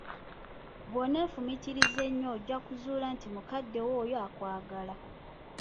Bw'oneefumitiriza ennyo ojja kuzzuula nti mukadde wo oyo akwagala.